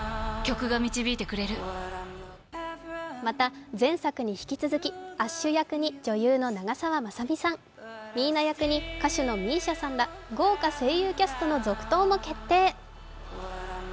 また、前作に引き続きアッシュ役に女優の長澤まさみさん、ミーナ役に歌手のＭＩＳＩＡさんら、豪華声優キャストの続投も決定。